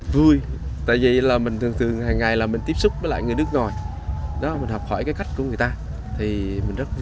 vui tại vì mình thường thường hằng ngày tiếp xúc với người nước ngoài đó mình học hỏi cái cách của người ta thì mình rất vui